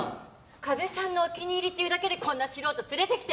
加部さんのお気に入りっていうだけでこんな素人連れてきて。